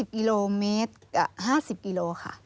กิโลเมตรกับ๕๐กิโลค่ะ